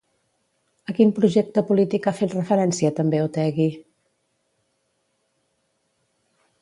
A quin projecte polític ha fet referència també Otegi?